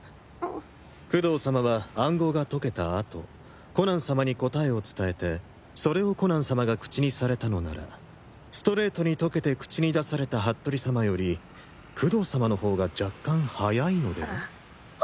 工藤様は暗号が解けた後コナン様に答えを伝えてそれをコナン様が口にされたのならストレートに解けて口に出された服部様より工藤様の方が若干早いのでは？